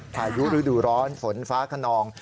พายุฤดูร้อนฝนฟ้าขนอง